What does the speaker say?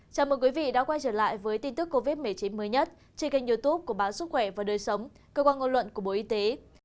chào mừng quý vị đã quay trở lại với tin tức covid một mươi chín mới nhất trên kênh youtube của báo sức khỏe và đời sống cơ quan ngôn luận của bộ y tế